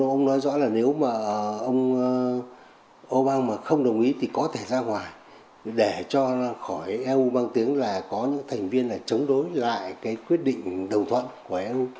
ông nói rõ là nếu mà ông obang mà không đồng ý thì có thể ra ngoài để cho khỏi eu bằng tiếng là có những thành viên là chống đối lại cái quyết định đồng thuận của eu